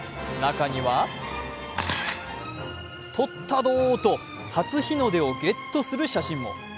中にはとったどーと、初日の出をゲットする写真も。